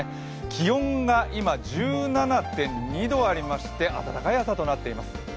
気温が今１７．２度ありまして、暖かい朝となっています。